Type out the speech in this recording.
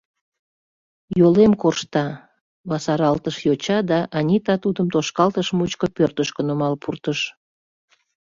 — Йолем коршта, — васаралтыш йоча, да Анита тудым тошкалтыш мучко пӧртышкӧ нумал пуртыш.